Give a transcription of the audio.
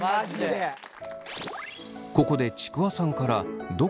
ここでちくわさんからハハハハ！